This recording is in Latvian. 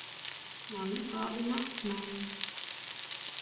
Nav nekādu naktsmāju.